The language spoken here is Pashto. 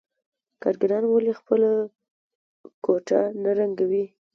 کارګران ولې خپله کوټه نه رنګوي